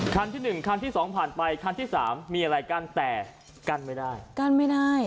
คันที่๑คันที่สองผ่านไปคันที่สามมีอะไรกั้นแต่กั้นไม่ได้กั้นไม่ได้